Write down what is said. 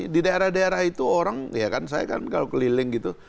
di daerah daerah itu orang ya kan saya kan kalau keliling gitu